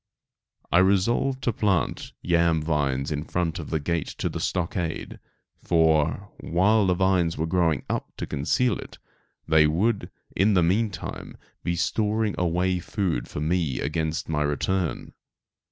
I resolved to plant yam vines in front of the gate to the stockade, for, while the vines were growing up to conceal it, they would, in the meantime be storing away food for me against my return.